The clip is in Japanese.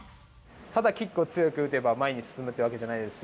ただキックを強く打てば前に進むってわけじゃないです。